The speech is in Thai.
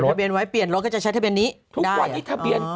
ทะเบียนไว้เปลี่ยนรถก็จะใช้ทะเบียนนี้ทุกวันนี้ทะเบียน